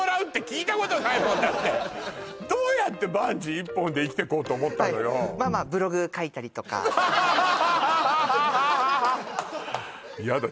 どうやってバンジー１本で生きてこうと思ったのよやだ